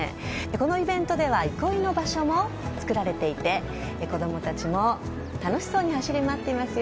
このイベントでは憩いの場所も作られていて子供たちも楽しそうに走り回っていますよ。